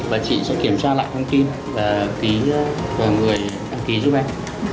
và chị sẽ kiểm tra lại thông tin và ký vào người đăng ký giúp em